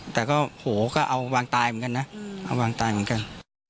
แต่ก็โหก็เอาวางตายเหมือนกันนะเอาวางตายเหมือนกัน